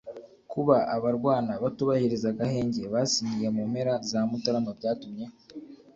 Kuba abarwana batubahiriza agahenge basinyiye mu mpera za Mutarama byatumye